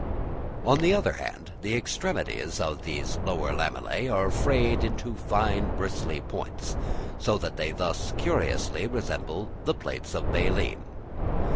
On the other hand, the extremities of these lower lamellæ are frayed into fine bristly points, so that they thus curiously resemble the plates of baleen.